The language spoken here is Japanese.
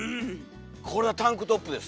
これはタンクトップですね。